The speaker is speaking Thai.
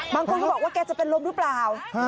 บางคนก็บอกว่าแกจะเป็นลมหรือเปล่า